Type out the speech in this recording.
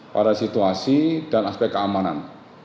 pada situasi dan aspek keamanan